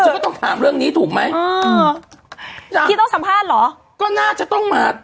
ก็ต้องถามเรื่องนี้ถูกไหมเออจากพี่ต้องสัมภาษณ์เหรอก็น่าจะต้องมา